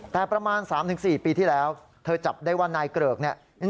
แต่ประมาณ๓๔ปีที่แล้วเธอจับได้ว่านายเกริกเนี่ย